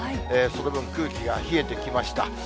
その分、空気が冷えてきました。